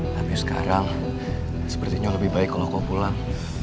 tapi sekarang sepertinya lebih baik kalau kau pulang